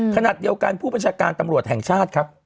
ขณะเดียวกันผู้บัญชาการตำรวจแห่งชาติครับ